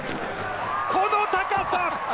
この高さ！